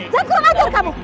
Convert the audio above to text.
jangan kena maju kamu